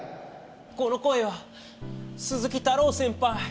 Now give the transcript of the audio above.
この声は鈴木太朗先ぱい。